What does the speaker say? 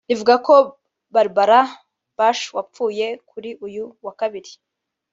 rivuga ko Barbara Bush wapfuye kuri uyu wa kabiri